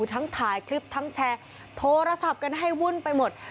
ทั้งถ่ายคลิปทั้งแชร์โทรศัพท์กันให้วุ่นไปหมด